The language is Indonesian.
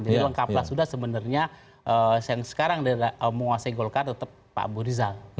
jadi lengkapnya sudah sebenarnya yang sekarang menguasai golkar tetap pak abu rizal